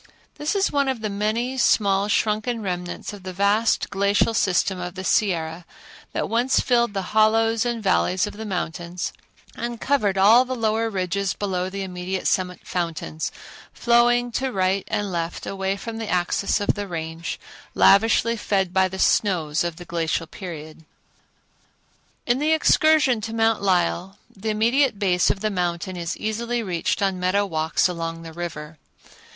This is one of the many, small, shrunken remnants of the vast glacial system of the Sierra that once filled the hollows and valleys of the mountains and covered all the lower ridges below the immediate summit fountains, flowing to right and left away from the axis of the Range, lavishly fed by the snows of the glacial period. In the excursion to Mount Lyell the immediate base of the mountain is easily reached on meadow walks along the river.